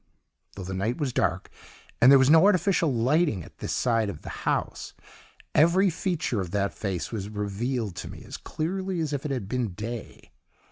"Though the night was dark and there was no artificial lighting at this side of the house, every feature of that face was revealed to me as clearly as if it had been day.